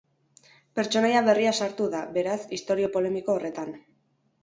Pertsonaia berria sartu da, beraz, istorio polemiko horretan.